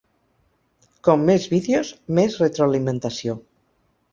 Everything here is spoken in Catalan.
Com més vídeos, més retroalimentació.